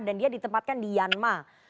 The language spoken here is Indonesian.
dan dia ditempatkan di yanma